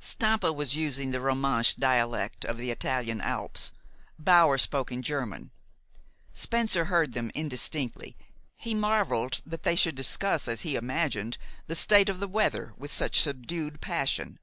Stampa was using the Romansch dialect of the Italian Alps. Bower spoke in German. Spencer heard them indistinctly. He marveled that they should discuss, as he imagined, the state of the weather with such subdued passion.